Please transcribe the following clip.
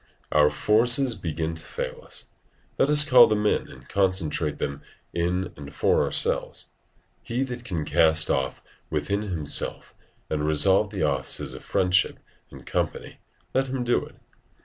Our forces begin to fail us; let us call them in and concentrate them in and for ourselves. He that can cast off within himself and resolve the offices of friendship and company, let him do it.